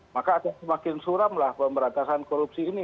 maka semakin suram lah pemberatasan korupsi ini